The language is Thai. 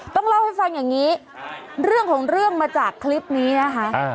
ต้องเล่าให้ฟังอย่างนี้เรื่องของเรื่องมาจากคลิปนี้นะคะ